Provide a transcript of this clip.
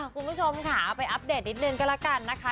คุณผู้ชมค่ะไปอัปเดตนิดนึงก็แล้วกันนะคะ